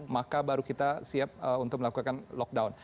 maka baru kita siap untuk melakukan lockdown